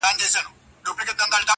نه وم د رندانو په محفل کي مغان څه ویل.